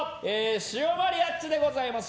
シオマリアッチでございます。